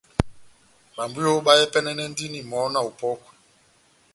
Babwiyo bahɛpɛnɛnɛndini mɔhɔ́ na opɔ́kwa